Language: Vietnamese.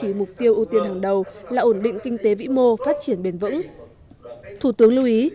chỉ mục tiêu ưu tiên hàng đầu là ổn định kinh tế vĩ mô phát triển bền vững thủ tướng lưu ý